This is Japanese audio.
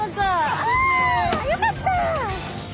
あよかった！